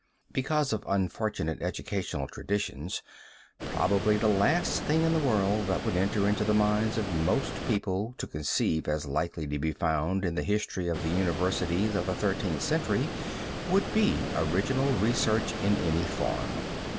Because of unfortunate educational traditions, probably the last thing in the world that would enter into the minds of most people to conceive as likely to be found in the history of the universities of the Thirteenth Century, would be original research in any form.